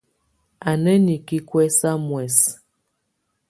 Á na niki kuɛsa muɛsɛ.